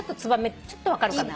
ちょっと分かるかな？